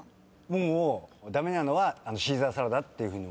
もう駄目なのは「シーザーサラダ」っていうふうに思ってた。